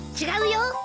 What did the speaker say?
違うよ。